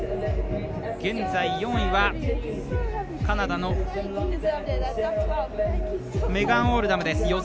現在４位はカナダのメガン・オールダムです。